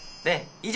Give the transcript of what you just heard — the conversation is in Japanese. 以上。